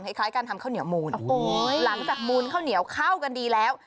คล้ายการทำข้าวเหนียวมูลหลังจากมูลข้าวเหนียวเข้ากันดีแล้ว